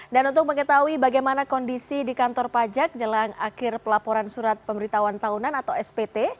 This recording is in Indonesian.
dan untuk mengetahui bagaimana kondisi di kantor pajak jelang akhir pelaporan surat pemberitahuan tahunan atau spt